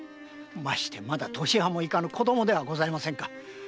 ましてまだ年端もいかぬ子供ではございませんか。